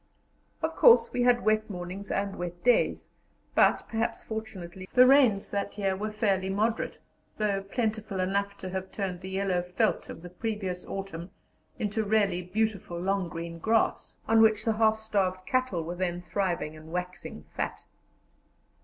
Of course we had wet mornings and wet days, but, perhaps fortunately, the rains that year were fairly moderate, though plentiful enough to have turned the yellow veldt of the previous autumn into really beautiful long green grass, on which the half starved cattle were then thriving and waxing fat.